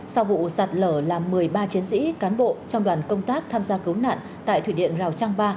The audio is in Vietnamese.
sau vụ sạt lở làm một mươi ba chiến sĩ cán bộ trong đoàn công tác tham gia cứu nạn tại thủy điện rào trang ba